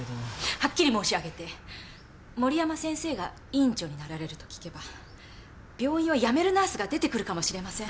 はっきり申し上げて森山先生が院長になられると聞けば病院を辞めるナースが出てくるかもしれません。